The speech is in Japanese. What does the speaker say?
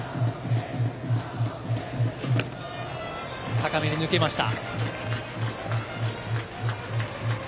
高めに抜けました。